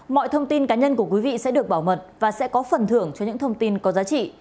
mọi thông tin cá nhân của quý vị sẽ được bảo mật và sẽ có phần thưởng cho những thông tin có giá trị